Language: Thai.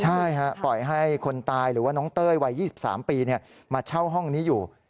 ใช่ปล่อยให้คนตายหรือว่าน้องเต้ยวัย๒๓ปีมาเช่าห้องนี้อยู่